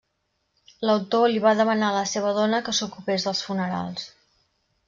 L'autor li va demanar a la seva dona que s'ocupés dels funerals.